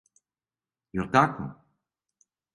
Је л тако?